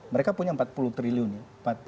mereka punya empat puluh triliun ya